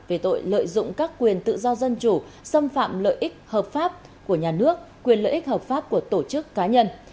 về tội lợi dụng các quyền tự do dân chủ xâm phạm lợi ích hợp pháp của nhà nước quyền lợi ích hợp pháp của tổ chức cá nhân